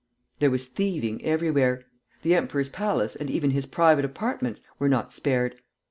There was thieving everywhere. The emperor's palace, and even his private apartments, were not spared.